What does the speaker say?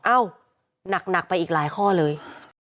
หนักไปอีกหลายข้อเลย